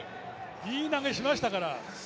いい投げしましたから。